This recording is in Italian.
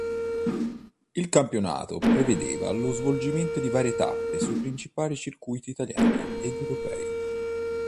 Il campionato prevedeva lo svolgimento di varie tappe sui principali circuiti italiani ed europei.